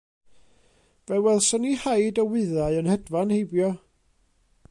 Fe welson ni haid o wyddau yn hedfan heibio.